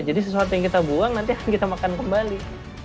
jadi sesuatu yang kita buang nanti akan kita makan kembali